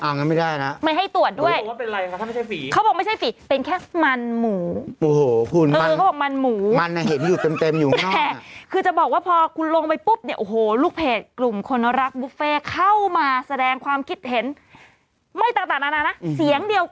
อ้างั้นไม่ได้นะโอ้ยโอ้ยโอ้ยโอ้ยโอ้ยโอ้ยโอ้ยโอ้ยโอ้ยโอ้ยโอ้ยโอ้ยโอ้ยโอ้ยโอ้ยโอ้ยโอ้ยโอ้ยโอ้ยโอ้ยโอ้ยโอ้ยโอ้ยโอ้ยโอ้ยโอ้ยโอ้ยโอ้ยโอ้ยโอ้ย